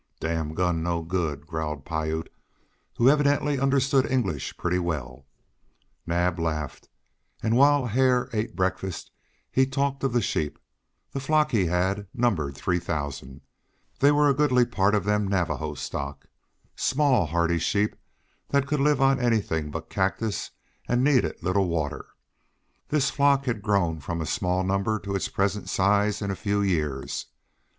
"Damn gun no good!" growled Piute, who evidently understood English pretty well. Naab laughed, and while Hare ate breakfast he talked of the sheep. The flock he had numbered three thousand. They were a goodly part of them Navajo stock: small, hardy sheep that could live on anything but cactus, and needed little water. This flock had grown from a small number to its present size in a few years.